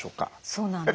そうなんです。